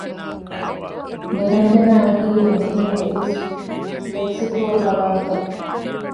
ނިރަންޖަނާ އަކީ އެޓީމުގެ އިސް ލެކްސިކޯގަރާފަރު